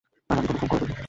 আর আমি কোন ফোন-কলও করিনি।